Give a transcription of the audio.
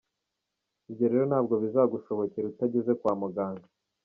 ibyo rero ntabwo bizagushobokera utageze kwa muganga.